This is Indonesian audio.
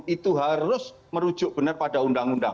itu harus merujuk benar pada undang undang